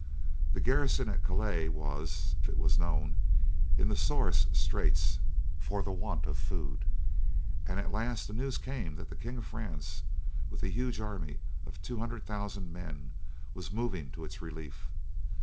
The garrison at Calais was, it was known, in the sorest straits for the want of food, and at last the news came that the King of France, with a huge army of 200,000 men, was moving to its relief.